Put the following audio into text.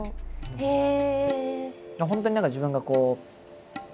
へえ！